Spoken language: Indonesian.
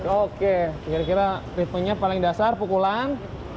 oke kira kira ritmenya paling dasar pukulan